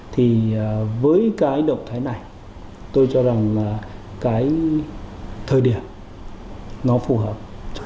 thì với cái động thái này tôi cho rằng là cái thời điểm nó phù hợp